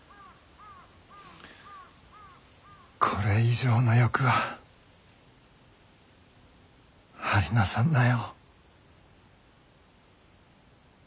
これ以上の欲は張りなさんなよ。